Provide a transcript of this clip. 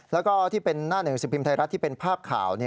แล้วก็ที่เป็นหน้าหนึ่งสิบพิมพ์ไทยรัฐที่เป็นภาพข่าว